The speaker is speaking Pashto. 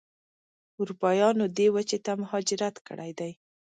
اروپایانو دې وچې ته مهاجرت کړی دی.